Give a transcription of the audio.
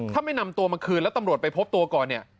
ถ้าไม่นำตัวมาคืนแล้วตำรวจไปพบตัวก่อนเนี่ย